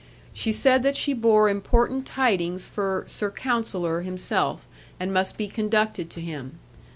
She said that she bore important tidings for Sir Counsellor himself, and must be conducted to him.